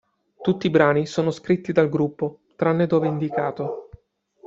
Tutti i brani sono scritti dal gruppo, tranne dove indicato.